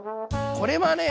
これはね